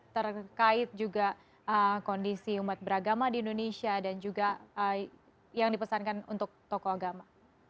terkait juga kondisi umat beragama di indonesia dan juga yang dipesankan untuk tokoh agama